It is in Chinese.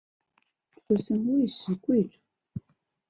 出身韦氏贵族。